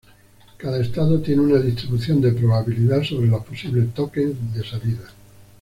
Cada estado tiene una distribución de probabilidad sobre los posibles tokens de salida.